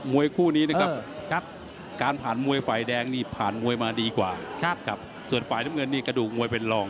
วยคู่นี้นะครับการผ่านมวยฝ่ายแดงนี่ผ่านมวยมาดีกว่าครับส่วนฝ่ายน้ำเงินนี่กระดูกมวยเป็นรอง